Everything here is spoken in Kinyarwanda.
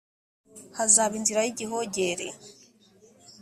hazaba inzira y’igihogere.